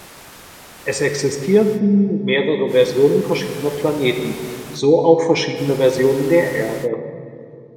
Es existierten mehrere Versionen verschiedener Planeten, so auch verschiedene Versionen der Erde.